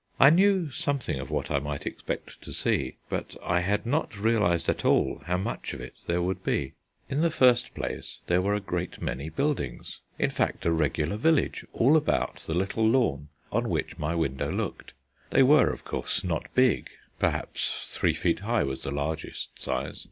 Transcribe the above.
I knew something of what I might expect to see, but I had not realized at all how much of it there would be. In the first place there were a great many buildings, in fact a regular village, all about the little lawn on which my window looked. They were, of course, not big; perhaps three feet high was the largest size.